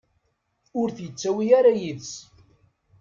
Ur t-yettawi ara yid-s.